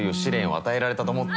与えられたと思って。